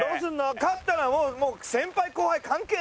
勝ったらもう先輩後輩関係ないでしょ。